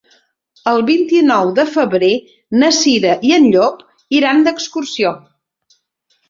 El vint-i-nou de febrer na Cira i en Llop iran d'excursió.